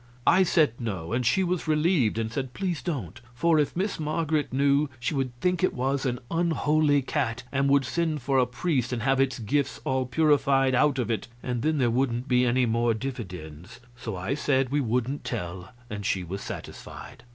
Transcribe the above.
I said no, and she was relieved, and said please don't; for if Miss Marget knew, she would think it was an unholy cat and would send for a priest and have its gifts all purified out of it, and then there wouldn't be any more dividends. So I said we wouldn't tell, and she was satisfied.